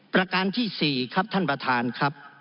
ประการที่๔ครับท่านประธานครับ